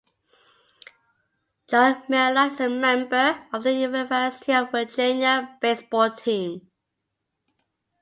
Jon Meola is a member of the University of Virginia baseball team.